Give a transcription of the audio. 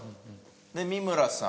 で美村さん。